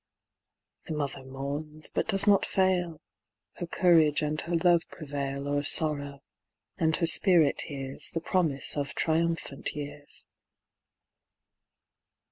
The mother mourns, but does not fail, Her courage and her love prevail O'er sorrow, and her spirit hears The promise of triumphant years.